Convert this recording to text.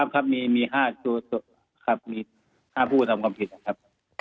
ครับครับมี๕ผู้ทำความผิดครับ